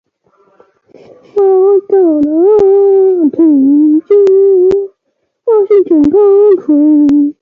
A small portion of the city extends into nearby Washington County.